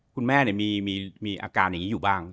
คุณแม่มีอาการอย่างนี้อยู่บ้าง